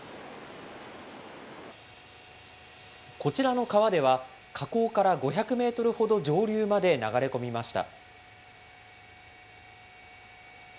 こちらの川では、河口から５００メートルほど上流まで流れ込みました。